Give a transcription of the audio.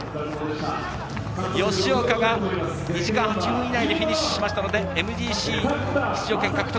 吉岡が２時間８分以内でフィニッシュしましたのでＭＧＣ出場権獲得。